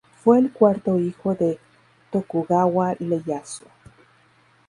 Fue el cuarto hijo de Tokugawa Ieyasu.